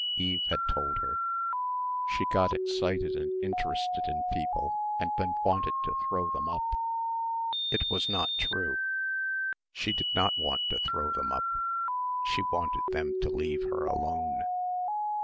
Eve had told her. She got excited and interested in people and then wanted to throw them up. It was not true. She did not want to throw them up. She wanted them to leave her alone....